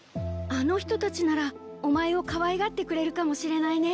あの人たちならお前をかわいがってくれるかもしれないね